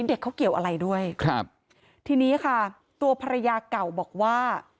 เด็กเขาเกี่ยวอะไรด้วยครับทีนี้ค่ะตัวภรรยาเก่าบอกว่า